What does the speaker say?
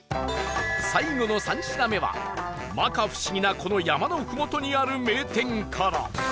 最後の３品目は摩訶不思議なこの山の麓にある名店から